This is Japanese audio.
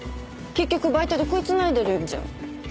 結局バイトで食い繋いでるんじゃん。